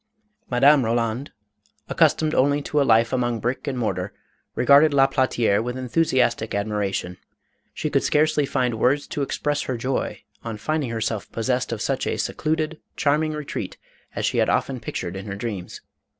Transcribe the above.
Madame Roland, accustomed only to a life among brick and mortar, regarded La Platiere with enthusiastic admiration ; she could scarcely find words to express her joy on finding herself possessed of such a secluded, charming retreat as she had often pictured in her dreams.